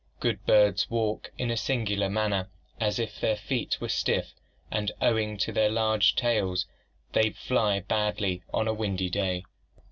Good birds walk in a singular manner as if their feet were stiff, and owing to their large tails they fly badly on a windy day.